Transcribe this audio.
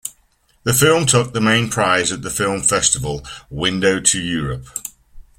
The film took the main prize at the film festival "Window to Europe".